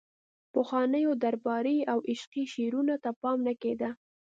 پخوانیو درباري او عشقي شعرونو ته پام نه کیده